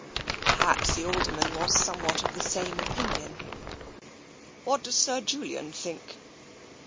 Perhaps the Alderman was somewhat of the same opinion. What does Sir Julian think